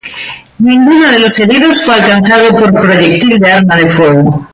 Ninguno de los heridos fue alcanzado por proyectil de arma de fuego.